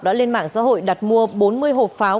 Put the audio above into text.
đã lên mạng xã hội đặt mua bốn mươi hộp pháo